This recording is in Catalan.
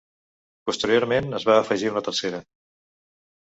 Posteriorment es va afegir una tercera.